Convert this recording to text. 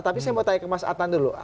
tapi saya mau tanya ke mas adnan dulu